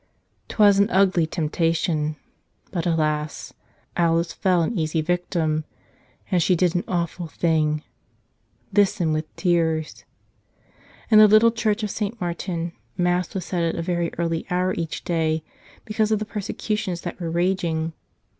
'Twas an ugly temptation. But alas! Alice fell an easy victim. And she did an awful thing. Listen with tears. In the little church of St. Martin, Mass was said at a very early hour each day, because of the persecutions 72 The Miraculous Hosts that were raging.